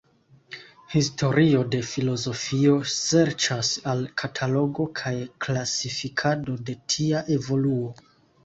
Historio de filozofio serĉas al katalogo kaj klasifikado de tia evoluo.